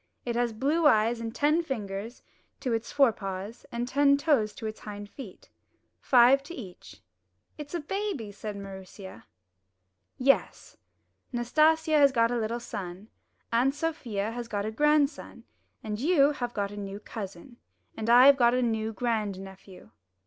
It has blue eyes, and ten fingers to its fore paws, and ten toes to its hind feet — five to each." "It's a baby," said Maroosia. 221 MY BOOK HOUSE "Yes. Nastasia has got a little son, Aunt Sofia has got a grandson, you have got a new cousin, and I have got a new grand nephew."